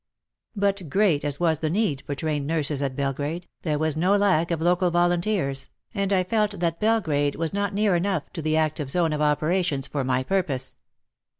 But great as was the need for trained nurses at Belgrade, there was no lack of local volunteers, and I felt that Belgrade was not 26 WAR AND WOMEN near enough to the active zone of operations for my purpose.